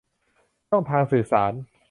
ช่องทางสื่อสาร